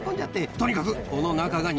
とにかく。